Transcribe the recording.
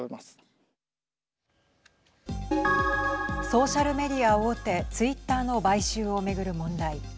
ソーシャルメディア大手ツイッターの買収を巡る問題。